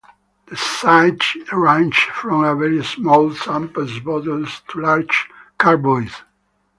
The size ranges from very small sample bottles to large carboys.